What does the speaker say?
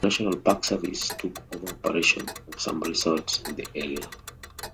The National Park Service took over operation of some resorts in the area.